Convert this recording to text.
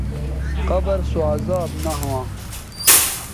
قبر سو عذاب نہ ھواں